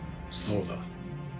そうだ。